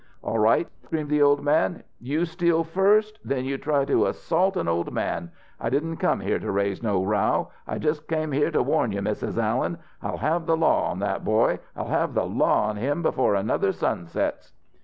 "All right!" screamed the old man. "You steal first then you try to assault an old man! I didn't come here to raise no row. I just came hear to warn you, Mrs. Allen. I'll have the law on that boy I'll have the law on him before another sun sets!"